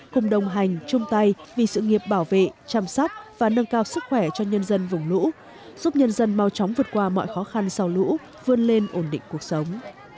cùng đồng hành chung tay vì sự nghiệp bảo vệ chăm sóc và nâng cao sức khỏe cho nhân dân vùng lũ giúp nhân dân mau chóng vượt qua mọi khó khăn sau lũ vươn lên ổn định cuộc sống